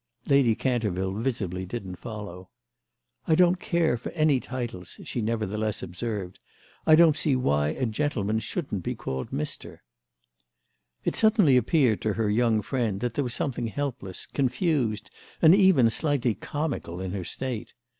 Lady Canterville visibly didn't follow. "I don't care for any titles," she nevertheless observed. "I don't see why a gentleman shouldn't be called Mr." It suddenly appeared to her young friend that there was something helpless, confused and even slightly comical in her state.